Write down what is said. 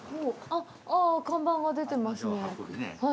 あっ、あぁ、看板が出てますね。